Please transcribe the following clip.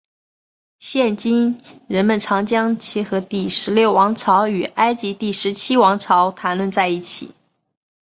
现今人们常将其和第十六王朝与埃及第十七王朝谈论在一起。